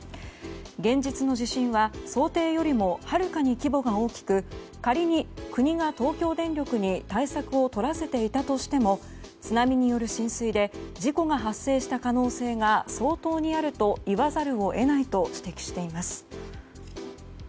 現実の地震は想定よりもはるかに規模が大きく仮に国が東京電力に対策をとらせていたとしても津波による浸水で事故が発生した可能性が相当にあると言わざるを得ないと指摘しています。